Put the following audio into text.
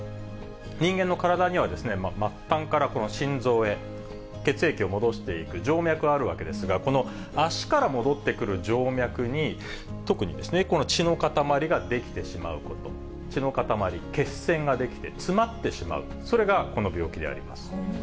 人間の体には、末端からこの心臓へ、血液を戻していく静脈があるわけですが、この足から戻ってくる静脈に、特にこの血の塊が出来てしまうこと、血の塊、血栓が出来て詰まってしまう、それがこの病気であります。